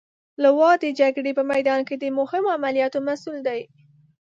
لوا د جګړې په میدان کې د مهمو عملیاتو مسئول دی.